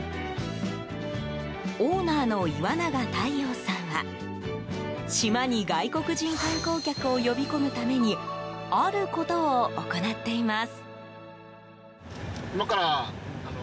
オーナーの岩永太陽さんは島に外国人観光客を呼び込むためにあることを行っています。